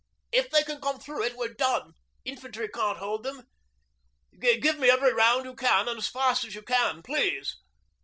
'If they can come through it we're done infantry can't hold 'em. Give me every round you can, and as fast as you can, please.'